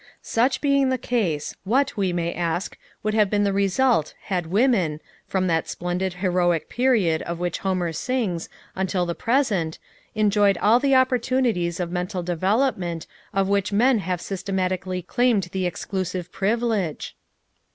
Such being the case, what, we may ask, would have been the result had women, from that splendid Heroic Period of which Homer sings until the present, enjoyed all the opportunities of mental development of which men have systematically claimed the exclusive privilege?